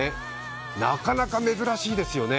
なかなか珍しいですよね。